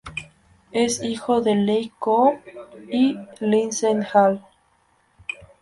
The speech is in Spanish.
Es hijo de Leigh Cohn y Lindsey Hall.